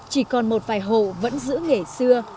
chỉ còn một vài hộ vẫn giữ nghề xưa